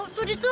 tuh di situ